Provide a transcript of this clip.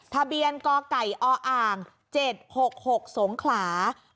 ทะเบียนกไก่ออ่าง๗๖๖สงขลา